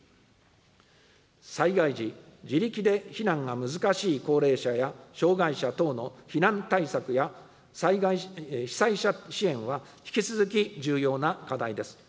災害時、自力で避難が難しい高齢者や障害者等の避難対策や被災者支援は引き続き重要な課題です。